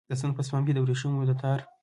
د ستن په سپم کې د وریښمو د تار